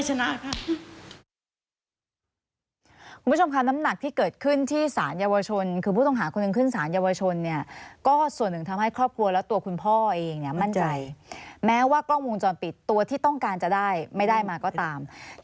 คุณผู้ชมค่ะน้ำหนักที่เกิดขึ้นที่สารเยาวชนคือผู้ต้องหาคนหนึ่งขึ้นสารเยาวชนเนี่ยก็ส่วนหนึ่งทำให้ครอบครัวและตัวคุณพ่อเองเนี่ยมั่นใจแม้ว่ากล้องวงจรปิดตัวที่ต้องการจะได้ไม่ได้มาก็ตาม